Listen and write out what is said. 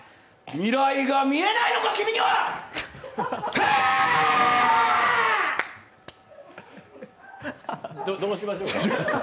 未来が見えないのか、君にはどうしましょうか。